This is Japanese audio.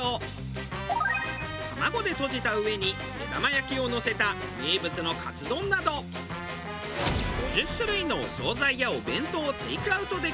卵でとじた上に目玉焼きをのせた名物のカツ丼など５０種類のお総菜やお弁当をテイクアウトできるお店。